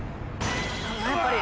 やっぱり。